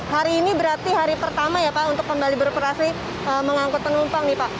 hari ini berarti hari pertama ya pak untuk kembali beroperasi mengangkut penumpang nih pak